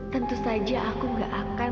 tentu saja aku gak akan